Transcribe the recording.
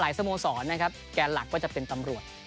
สโมสรนะครับแกนหลักก็จะเป็นตำรวจ